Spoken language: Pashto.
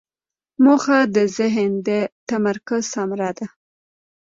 موخه د ذهن د تمرکز ثمره ده.